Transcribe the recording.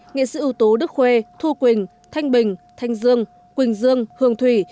nghệ sĩ ưu tố đức khuê thu quỳnh thanh bình thanh dương quỳnh dương hương thùy